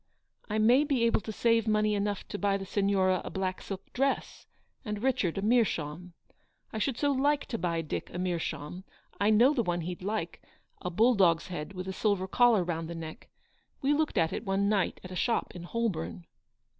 u I may be able to saye money enough to buy the Signora a black silk dress, and Richard a meerschaum. I should so like to buy Dick a meerschaum j I know the one he'd like — a bull dog's head, with a silver collar round the neck. We looked at it one night at a shop in Holborn."